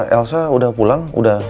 elsa udah pulang